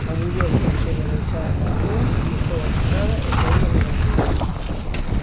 A muller consegue baixar ata a rúa, cruzou a estrada e caeu na beirarrúa.